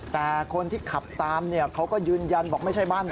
แต่คนที่ขับตามเขาก็ยืนยันบอกไม่ใช่บ้านนะ